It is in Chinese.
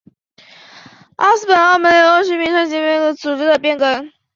里斯本澳门联络处名称及组织的变更。